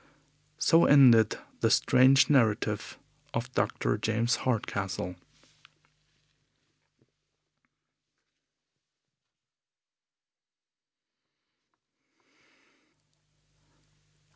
So ended the strange narrative of Dr. James Hardcastle.